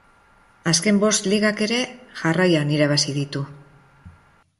Azken bost ligak ere jarraian irabazi ditu.